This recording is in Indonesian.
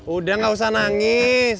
udah gak usah nangis